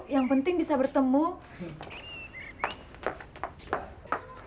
tapi buat saya tidak jadi soal ke bu